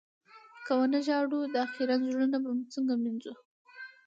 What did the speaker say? که و نه ژاړو، دا خيرن زړونه به څنګه مينځو؟